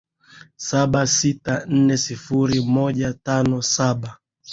saba sita nne sifuri moja tano saba